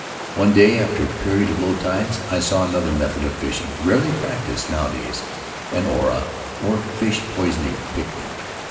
"One day, after a period of low tides, I saw another method of fishing — rarely practised nowadays — an ora, or fish poisoning picnic.